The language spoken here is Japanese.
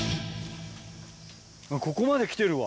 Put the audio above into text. ここまで来てるわ。